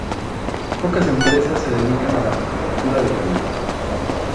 Pocas empresas se dedican a la manufactura de calibres.